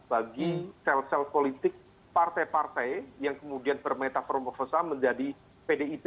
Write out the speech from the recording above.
bagi sel sel politik partai partai yang kemudian bermetafronfosa menjadi pdip